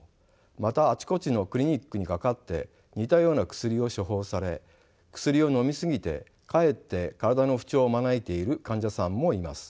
またあちこちのクリニックにかかって似たような薬を処方され薬をのみ過ぎてかえって体の不調を招いている患者さんもいます。